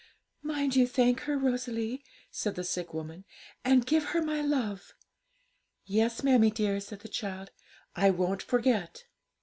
'Mind you thank her, Rosalie,' said the sick woman, 'and give her my love.' 'Yes, mammie dear,' said the child; 'I won't forget.'